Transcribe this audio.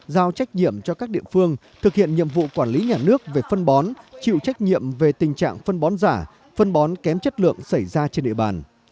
giao trách nhiệm cho các địa phương thực hiện nhiệm vụ quản lý nhà nước về phân bón chịu trách nhiệm về tình trạng phân bón giả phân bón kém chất lượng xảy ra trên địa bàn